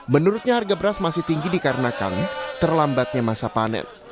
menurutnya harga beras masih tinggi dikarenakan terlambatnya masa panen